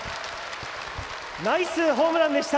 ナイスホームランでした。